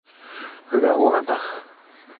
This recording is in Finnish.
Hyvää huomenta